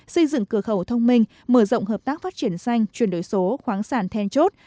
xây dựng cửa khẩu thông minh mở rộng hợp tác phát triển xanh chuyển đổi số khoáng sản then chốt